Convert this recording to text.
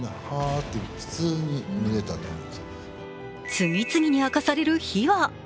次々に明かされる秘話。